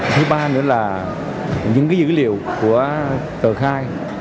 thứ ba nữa là những dữ liệu của tờ khai